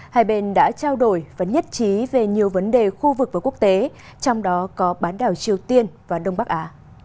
hai bên đã trao đổi và nhất trí về nhiều vấn đề khu vực và quốc tế trong đó có bán đảo triều tiên và đông bắc á